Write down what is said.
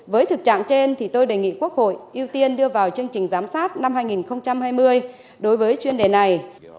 với thực trạng trên thì tôi đề nghị quốc hội ưu tiên đưa vào chương trình giám sát năm hai nghìn hai mươi đối với chuyên đề này